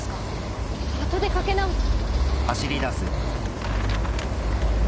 後でかけ直す！